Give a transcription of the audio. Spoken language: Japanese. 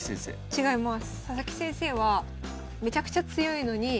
違います。